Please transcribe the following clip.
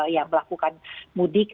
yang melakukan mudik